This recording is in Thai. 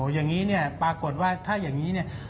อย่างนี้เนี่ยปรากฏว่าถ้าอย่างนี้เนี่ย